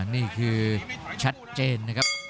นี่คือชัดเจนนะครับ